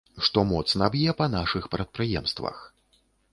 Што моцна б'е па нашых прадпрыемствах.